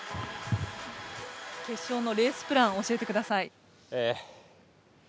決勝のレースプラン教えてください。